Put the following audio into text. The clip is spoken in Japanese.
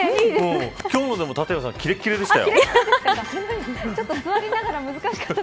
今日の立岩さんキレキレでしたよ。